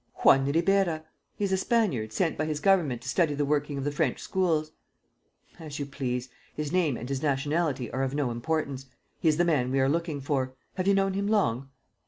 "Juan Ribeira. He is a Spaniard sent by his government to study the working of the French schools." "As you please. His name and his nationality are of no importance. He is the man we are looking for. Have you known him long?"